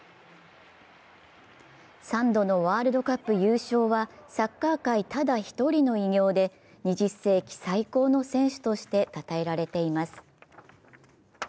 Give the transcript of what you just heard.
３度のワールドカップ優勝はサッカー界ただ１人の偉業で２０世紀最高の選手としてたたえられています。